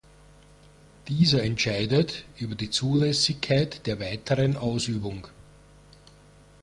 Dieser entscheidet über die Zulässigkeit der weiteren Ausübung.